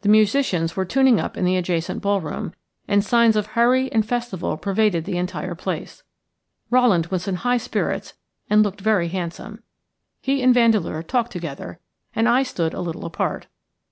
The musicians were tuning up in the adjacent ball room, and signs of hurry and festival pervaded the entire place. Rowland was in high spirits and looked very handsome. He and Vandeleur talked together, and I stood a little apart.